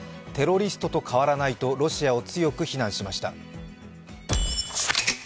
テロリストと変わらないとロシアを強く非難しました。